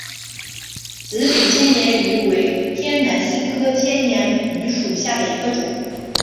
紫柄千年芋为天南星科千年芋属下的一个种。